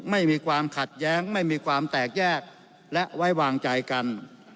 ไม่มีความขัดแย้งไม่มีความแตกแยกและไว้วางใจกัน